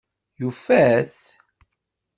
Yufa-t?